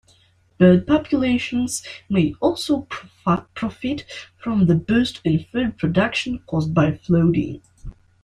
Bird populations may also profit from the boost in food production caused by flooding.